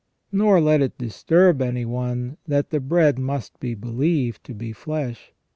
Nor let it disturb any one that the bread must be believed to be flesh.